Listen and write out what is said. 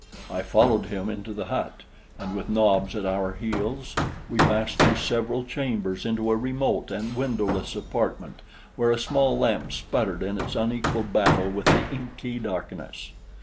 I followed him into the hut, and with Nobs at our heels we passed through several chambers into a remote and windowless apartment where a small lamp sputtered in its unequal battle with the inky darkness.